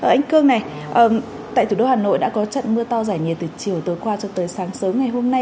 anh cương này tại thủ đô hà nội đã có trận mưa to giải nhiệt từ chiều tối qua cho tới sáng sớm ngày hôm nay